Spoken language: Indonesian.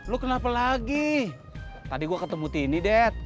lo kenapa lagi tadi gue ketemu tini ded